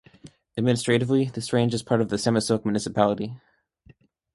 Administratively this range is part of the Sermersooq Municipality.